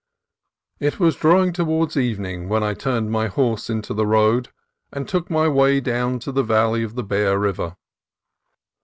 It was drawing towards evening when I turned my horse into the road and took my way down to the valley of the Bear River.